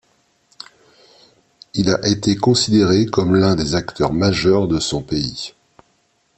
Il a été considéré comme l'un des acteurs majeurs de son pays.